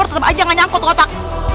tetap aja gak nyangkut otak